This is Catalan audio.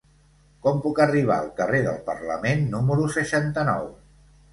Com puc arribar al carrer del Parlament número seixanta-nou?